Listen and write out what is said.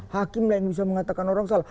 hakim lah yang bisa mengatakan orang salah